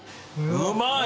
うまい！